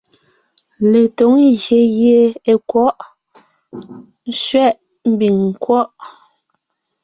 Letǒŋ ngyè gie è kwɔ̌ʼ ( sẅɛ̌ʼ mbiŋ nkwɔ́ʼ).